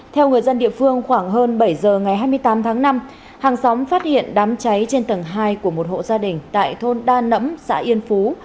theo người dân địa phương khoảng hơn bảy giờ ngày hai mươi tám tháng năm hàng xóm phát hiện đám cháy trên tầng hai của một hộ gia đình tại thôn đa nẫm xã yên phú